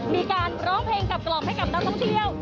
มีการร้องเพลงกลับกรอบให้กับนักท่องเที่ยว